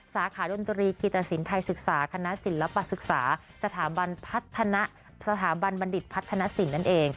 สาขาดนตรีกีตาศิลป์ไทยศึกษาคณะศิลปศึกษาสถาบันบัณฑิตพัฒนศิลป์นั่นเอง